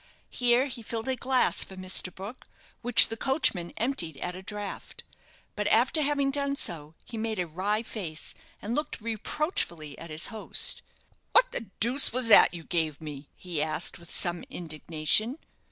Here he filled a glass for Mr. Brook, which the coachman emptied at a draught; but after having done so he made a wry face, and looked reproachfully at his host. "What the deuce was that you gave me?" he asked, with some indignation.